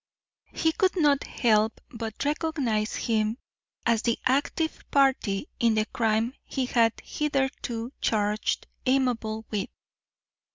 He could not help but recognise him as the active party in the crime he had hitherto charged Amabel with.